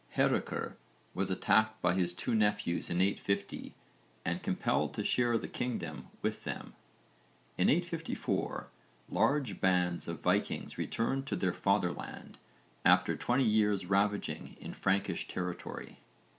Hárekr was attacked by his two nephews in 850 and compelled to share the kingdom with them. In 854 large bands of Vikings returned to their fatherland after twenty years' ravaging in Frankish territory.